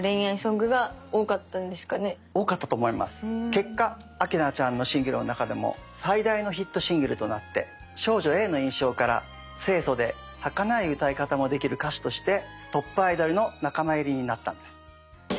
結果明菜ちゃんのシングルの中でも最大のヒットシングルとなって「少女Ａ」の印象から清楚ではかない歌い方もできる歌手としてトップアイドルの仲間入りになったんです。